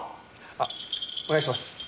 あお願いします。